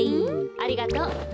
ありがとう。